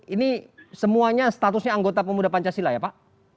ini semuanya statusnya anggota pemuda pancasila ya pak